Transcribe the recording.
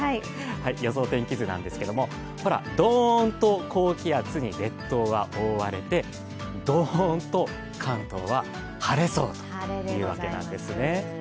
予想天気図なんですがドーンと列島は高気圧に覆われてドーンと関東は晴れそうというわけなんですね。